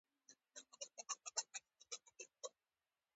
حرص او تمي وو تر دامه راوستلی